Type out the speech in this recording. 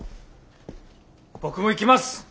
僕も行きます！